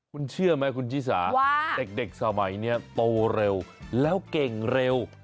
คุณเชื่อไหมคุณชิสาว่าเด็กสมัยนี้โตเร็วแล้วเก่งเร็ว